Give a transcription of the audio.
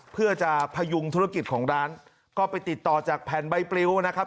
เพื่อจะพยุงธุรกิจของร้านก็ไปติดต่อจากแผ่นใบปลิวนะครับ